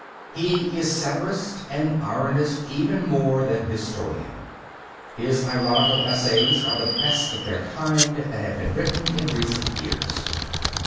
He is satirist and ironist even more than historian. His ironical essays are the best of their kind that have been written in recent years.